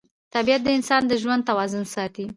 طبیعت د انسان د ژوند توازن ساتي